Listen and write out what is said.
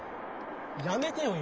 やめてよ。